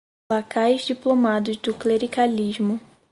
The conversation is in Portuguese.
lacaios diplomados do clericalismo